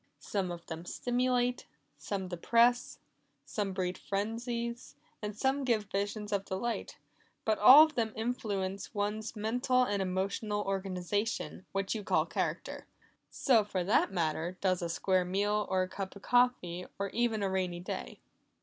Some of them stimulate, some depress, some breed frenzies, and some give visions of delight but all of them influence one's mental and emotional organization, which you call character. So for that matter, does a square meal, or a cup of coffee, or even a rainy day."